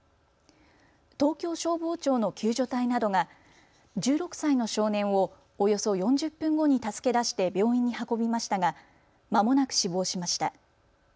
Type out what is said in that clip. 東京消防庁の救助隊などが１６歳の少年をおよそ４０分後に助け出して病院に運びましたがまもなく死亡しました。